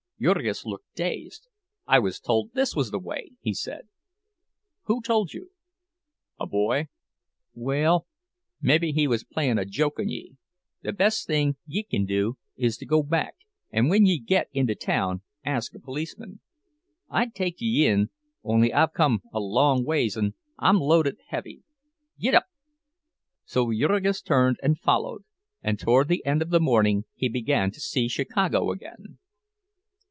Jurgis looked dazed. "I was told this was the way," he said. "Who told you?" "A boy." "Well, mebbe he was playing a joke on ye. The best thing ye kin do is to go back, and when ye git into town ask a policeman. I'd take ye in, only I've come a long ways an' I'm loaded heavy. Git up!" So Jurgis turned and followed, and toward the end of the morning he began to see Chicago again.